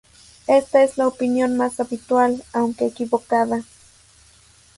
Esta es la opinión más habitual, aunque equivocada.